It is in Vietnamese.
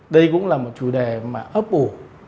đây cũng là một chủ đề mà ấp ủ